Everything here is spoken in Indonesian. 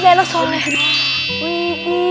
masini kena anon bu